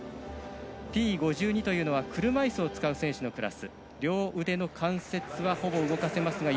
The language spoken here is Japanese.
Ｔ５２というのは車いすを使う選手のクラス。